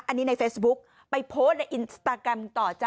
อันนี้ในเฟซบุ๊กไปโพสต์ในอินสตาแกรมต่อจ้ะ